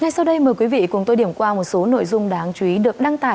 ngay sau đây mời quý vị cùng tôi điểm qua một số nội dung đáng chú ý được đăng tải